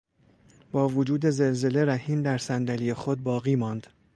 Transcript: با وجود زلزله رحیم در صندلی خود باقی ماند.